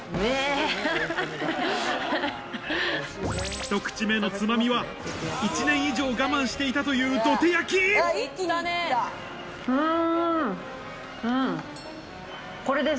１口目のつまみは１年以上我慢していたというどて焼きこれです